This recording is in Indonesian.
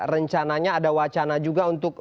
rencananya ada wacana juga untuk